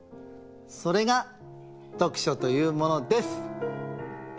それが「どくしょ」というものです。